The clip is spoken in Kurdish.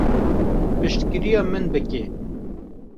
Piştgiriya min bike.